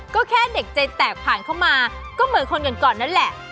ก็แค่เด็กใจแตกผ่านเข้ามาก็เหมือนคนก่อนนั่นแหละ